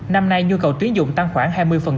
năm nay nhu cầu tuyến dụng tăng khoảng hai mươi